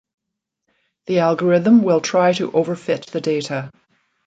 The algorithm will try to overfit the data.